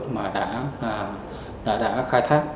mà đã khai thác